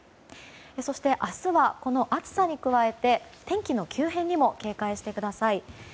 そして、明日はこの暑さに加えて天気の急変にも警戒してください。